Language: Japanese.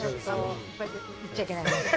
言っちゃいけないね。